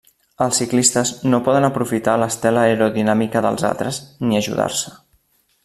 Els ciclistes no poden aprofitar l'estela aerodinàmica dels altres, ni ajudar-se.